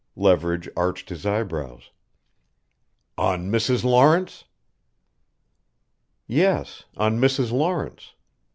Leverage arched his eyebrows: "On Mrs. Lawrence?" "Yes on Mrs. Lawrence.